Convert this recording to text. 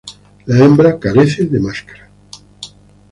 La hembra carece de máscara.